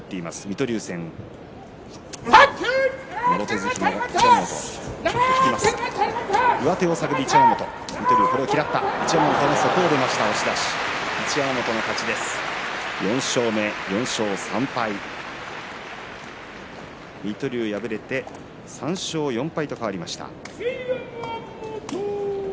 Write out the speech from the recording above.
水戸龍は敗れて３勝４敗と変わりました。